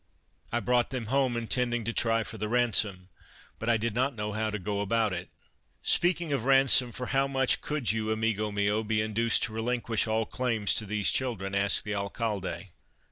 I brought them home, intending to try for the ransom, but I did not know how to go about it." " Speaking of ransom, for how much could you, amigo mio, be induced to relinquish all claims to these children ?" asked the Alcalde.